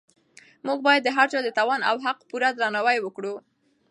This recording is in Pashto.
موږ باید د هر چا د توان او حق پوره درناوی وکړو.